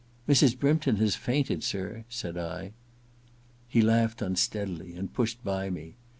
* Mrs. Brympton has fainted, sir,' said I. He laughed unsteadily and pushed by me.